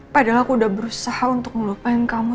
padahal aku udah berusaha untuk melupain kamu